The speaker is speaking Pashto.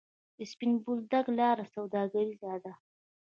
د سپین بولدک لاره سوداګریزه ده